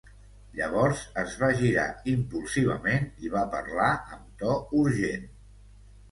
Llavors es va girar impulsivament i va parlar amb to urgent.